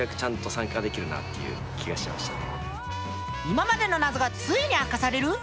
今までの謎がついに明かされる。